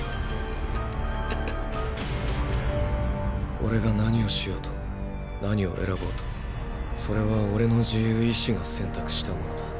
オレが何をしようと何を選ぼうとそれはオレの自由意思が選択したものだ。